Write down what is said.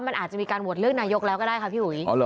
มันอาจจะมีการโหวตเลือกนายกแล้วก็ได้ค่ะพี่หุย